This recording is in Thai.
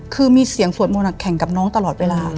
คือมีเสียงสวดมนต์แข่งกับน้องตลอดเวลา